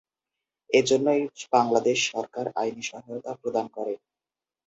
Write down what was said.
এজন্যই বাংলাদেশ সরকার আইনি সহায়তা প্রদান করে।